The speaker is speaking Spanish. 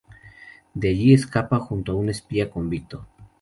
De allí escapa junto a un espía convicto.